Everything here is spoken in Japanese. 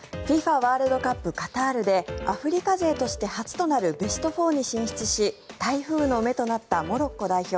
ワールドカップカタールでアフリカ勢として初となるベスト４に進出し台風の目となったモロッコ代表。